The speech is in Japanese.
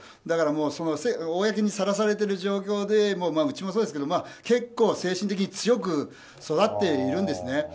だから公にさらされてる状況でうちもそうですけど結構、精神的に強く育っているんですね。